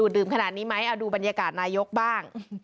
ดูบรรยากาศนายกบ้าง